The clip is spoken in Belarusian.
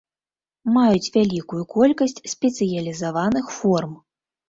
Маюць вялікую колькасць спецыялізаваных форм.